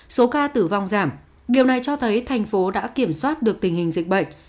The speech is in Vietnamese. số ca tử vong giảm điều này cho thấy thành phố đã kiểm soát được tình hình dịch bệnh